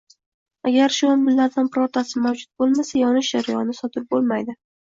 Agar shu omillardan birortasi mavjud bo’lmasa, yonish jarayoni sodir bo’lmaydi